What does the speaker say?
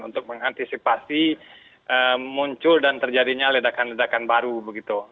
untuk mengantisipasi muncul dan terjadinya ledakan ledakan baru begitu